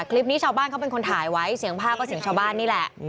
คลิปนี้ชาวบ้านเขาเป็นคนถ่ายไว้เสียงผ้าก็เสียงชาวบ้านนี่แหละ